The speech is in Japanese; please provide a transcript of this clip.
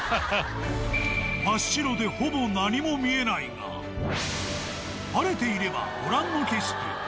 真っ白でほぼ何も見えないが、晴れていれば、ご覧の景色。